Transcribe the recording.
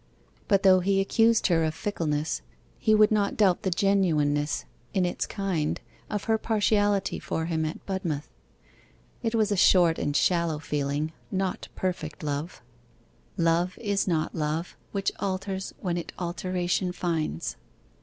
But though he accused her of fickleness, he would not doubt the genuineness, in its kind, of her partiality for him at Budmouth. It was a short and shallow feeling not perfect love: 'Love is not love Which alters when it alteration finds.